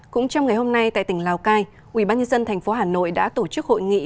cũng trong ngày hôm nay tại tỉnh lào cai ubnd tp hà nội đã tổ chức hội nghị